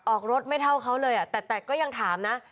ออกรถไม่เท่าเขาเลยแต่ก็ยังถามนะ